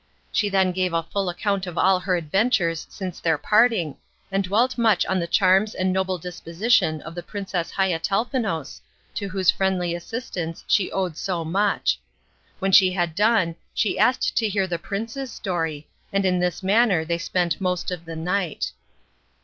She then gave a full account of all her adventures since their parting, and dwelt much on the charms and noble disposition of the Princess Haiatelnefous, to whose friendly assistance she owed so much. When she had done she asked to hear the prince's story, and in this manner they spent most of the night.